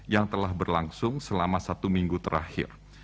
yang telah berlangsung selama satu minggu terakhir